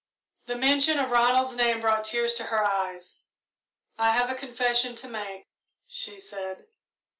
The mention of Ronald's name brought tears to her eyes. "I have a confession to make," she said.